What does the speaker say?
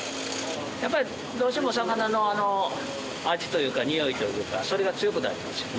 やっぱりどうしても魚の味というかにおいというかそれが強くなるんですよね。